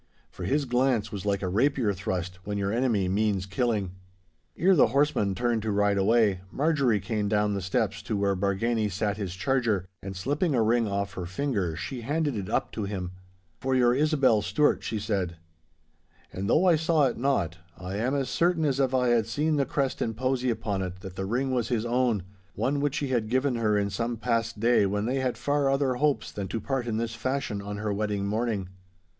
For his glance was like a rapier thrust when your enemy means killing. Ere the horsemen turned to ride away, Marjorie came down the steps to where Bargany sat his charger, and slipping a ring off her finger she handed it up to him. 'For your Isobel Stewart!' she said. And though I saw it not, I am as certain as if I had seen the crest and posy upon it that the ring was his own, one which he had given her in some past day when they had far other hopes than to part in this fashion on her wedding morning.